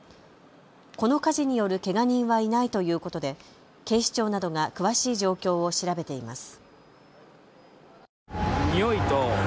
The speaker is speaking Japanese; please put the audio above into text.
この火事によるけが人はいないということで警視庁などが詳しい状況を調べています。